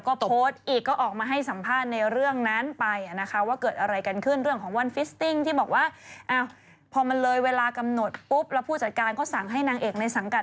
ข้อต่อไปนะปวดขมองมีสีอะไรอุ๊ยจะรู้สีได้ยังไงอะคะ